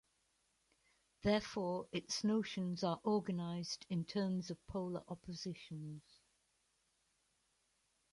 Therefore, its notions are organized in terms of polar oppositions.